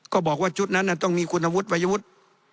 ก็บอกว่าชุดนั้นต้องมีคุณธรรมพยาทศูนย์